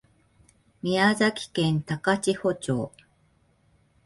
宮崎県高千穂町